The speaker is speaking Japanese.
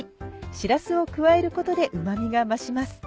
しらすを加えることでうま味が増します。